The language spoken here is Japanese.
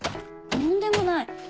とんでもない。